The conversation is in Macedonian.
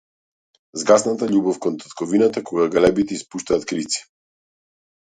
Згасната љубов кон татковината, кога галебите испуштаат крици.